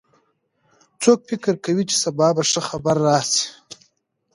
څوک فکر کوي چې سبا به ښه خبر راشي